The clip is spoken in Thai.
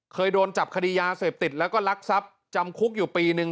เคยโดนจับคดียาเสพติดแล้วก็ลักทรัพย์จำคุกอยู่ปีนึง